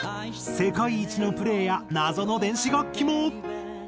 世界一のプレーや謎の電子楽器も。